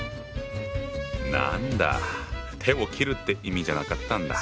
なんだ手を切るって意味じゃなかったんだ。